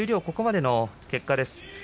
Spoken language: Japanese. ここまでの結果です。